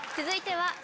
続いては。